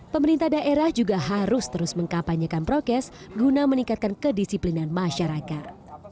pemerintah daerah juga harus terus mengkapanyekan prokes guna meningkatkan kedisiplinan masyarakat